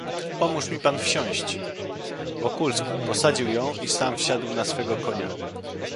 "Pomóż mi pan wsiąść... Wokulski podsadził ją i sam wsiadł na swego konia."